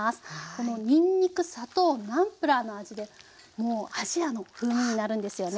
このにんにく砂糖ナンプラーの味でもうアジアの風味になるんですよね。